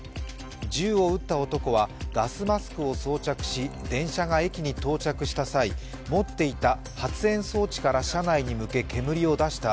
銃を撃った男はガスマスクを装着し、電車が駅に到着した際持っていた発煙装置から車内に向け煙を出した